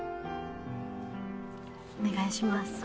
お願いします。